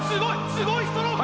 すごいストローク！